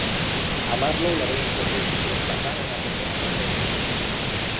A Marlowe le habría sido muy difícil escapar a una condena por traición.